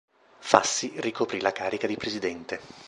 Fassi ricoprì la carica di Presidente.